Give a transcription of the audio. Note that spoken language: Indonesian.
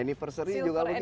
anniversary juga begitu betul